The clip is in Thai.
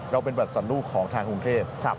เราเป็นบัตรสันลูกของทางกรุงเทพ